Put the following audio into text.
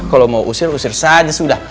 kalau mau usir usir saja sudah